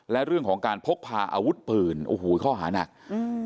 และเรื่องของการพกพาอาวุธปืนโอ้โหข้อหานักอืม